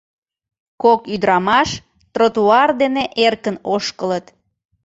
Кок ӱдырамаш тротуар дене эркын ошкылыт.